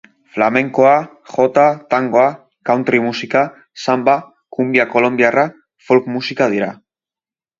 Flamenkoa, jota, tangoa, country musika, samba, cumbia kolonbiarra folk musika dira.